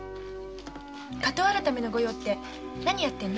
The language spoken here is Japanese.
火盗改めの御用って何やってるの？